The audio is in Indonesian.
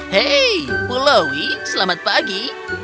hei pulauwi selamat pagi